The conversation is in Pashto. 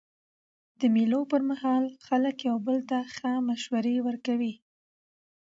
د مېلو پر مهال خلک یو بل ته ښه مشورې ورکوي.